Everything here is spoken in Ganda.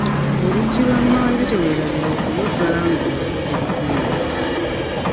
Oluggi lw'emmanju teweerabira okuluggala nga ovudde wabweru.